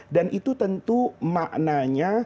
dan itu tentu maknanya